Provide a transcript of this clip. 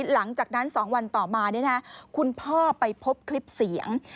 หลังจากนั้น๒วันต่อมาคุณพ่อไปพบคลิปเสียง